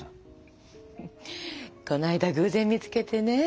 こないだ偶然見つけてね。